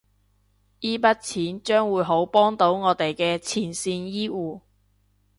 依筆錢將會好幫到我哋嘅前線醫護